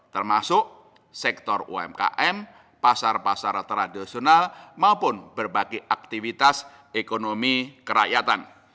termasuk sektor umkm pasar pasar tradisional maupun berbagai aktivitas ekonomi kerakyatan